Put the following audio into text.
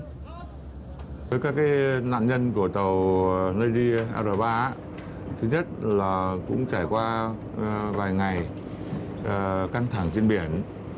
với các nạn nhân của tàu nady r ba thứ nhất là cũng trải qua vài ngày căng thẳng trên biển